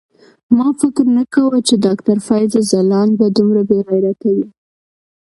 ما فکر نه کاوه چی ډاکټر فیض ځلاند به دومره بیغیرته وی